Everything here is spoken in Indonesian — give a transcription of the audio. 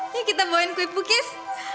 nih kita bawain kue pukis